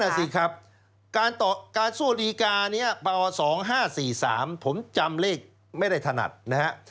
นั่นอ่ะสิครับการสู้ดีกานี้ป๒๕๔๓ผมจำเลขไม่ได้ถนัดนะฮะ